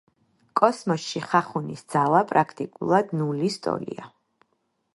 კოსმოსში ხახუნის ძალა პრაქტიკულად ნულის ტოლია